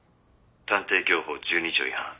探偵業法１２条違反。